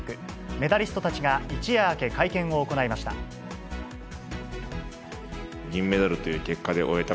メダリストたちが一夜明け、会見を行いました。